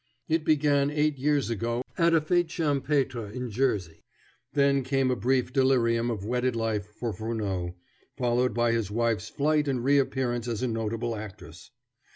It began eight years ago at a fête champêtre in Jersey. Then came a brief delirium of wedded life for Furneaux, followed by his wife's flight and reappearance as a notable actress.